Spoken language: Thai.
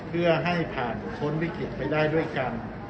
เพื่อให้ผ่านผลต้นวิเครียดไปได้ด้วยกัน